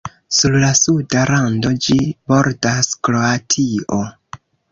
Sur la suda rando, ĝi bordas Kroatio.